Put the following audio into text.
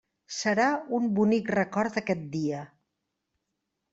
Serà un bonic record d'aquest dia.